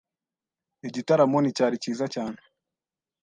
Igitaramo nticyari cyiza cyane.